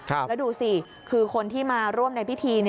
แล้วดูสิคือคนที่มาร่วมในพิธี